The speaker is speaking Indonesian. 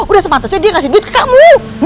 udah sepantesnya dia ngasih duit ke kamu